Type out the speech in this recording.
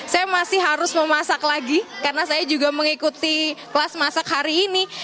saya masih harus memasak lagi karena saya juga mengikuti kelas masak hari ini